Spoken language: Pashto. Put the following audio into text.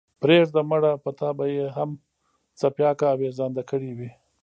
پرېږده مړه په تا به ئې هم څپياكه اوېزانده كړې وي۔